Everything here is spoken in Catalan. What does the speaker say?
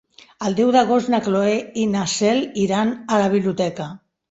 El deu d'agost na Cloè i na Cel iran a la biblioteca.